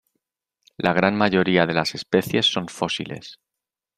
La gran mayoría de las especies son fósiles.